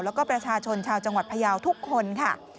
แล้วก็ประชาชนชาวจังหวัดพยาวทุกคนค่ะ